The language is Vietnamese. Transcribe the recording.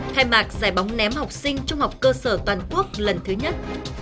khai mạc giải bóng ném học sinh trung học cơ sở toàn quốc lần thứ nhất